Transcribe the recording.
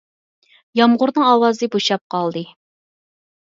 يامغۇرنىڭ ئاۋازى بوشاپ قالدى.